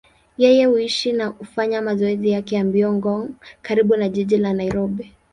Yeye huishi na hufanya mazoezi yake ya mbio Ngong, karibu na jiji la Nairobi.